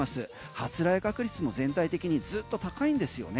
発雷確率も全体的にずっと高いんですよね。